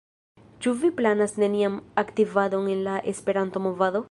Ĉu vi planas nenian aktivadon en la Esperanto-movado?